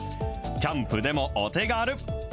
キャンプでもお手軽。